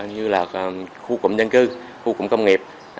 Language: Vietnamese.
như là khu cụm nhân cư khu cụm công nghiệp